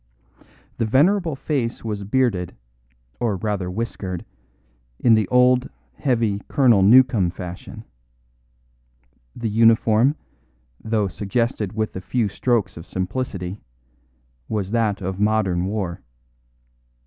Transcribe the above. The venerable face was bearded, or rather whiskered, in the old, heavy Colonel Newcome fashion. The uniform, though suggested with the few strokes of simplicity, was that of modern war.